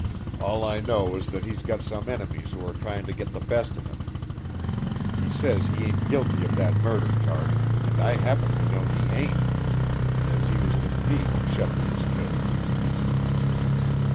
All I know is that he's got some enemies who are tryin' to get the best of him. He says he ain't guilty of that murder charge, and I happen to know he ain't, because he was with me when Shepley was killed."